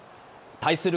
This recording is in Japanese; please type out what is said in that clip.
対する